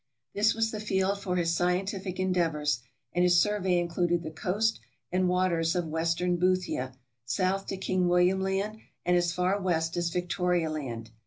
This was the field for his scientific endeavors, and his survey included the coast and waters of western Boothia, south to King William Land, and as far west as Victoria Land.